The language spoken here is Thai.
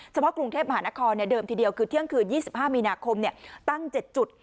กรุงเทพมหานครเดิมทีเดียวคือเที่ยงคืน๒๕มีนาคมตั้ง๗จุด